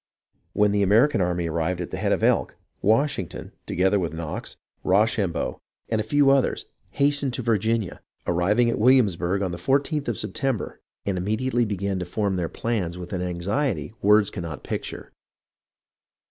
When the American army arrived at the Head of Elk, Washing ton, together with Knox, Rochambeau, and a few others, WASHINGTON'S MARCH AND ARNOLD'S RAID 373 hastened to Virginia, arriving at Williamsburgh on the 14th of September, and immediately began to form their plans with an anxiety words cannot picture.